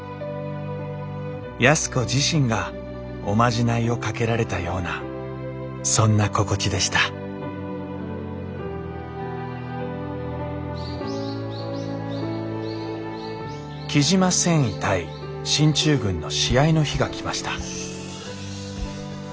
安子自身がおまじないをかけられたようなそんな心地でした雉真繊維対進駐軍の試合の日が来ました